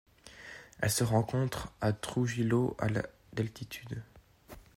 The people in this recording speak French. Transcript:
Elle se rencontre à Trujillo à d'altitude.